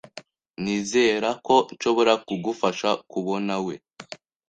Nizera ko nshobora kugufasha kubonawe .